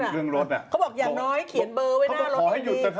เรื่องรถ